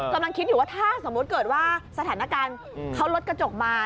กำลังคิดอยู่ว่าถ้าสมมุติเกิดว่าสถานการณ์เขาลดกระจกมา